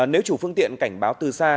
nếu chủ phương tiện cảnh báo từ xa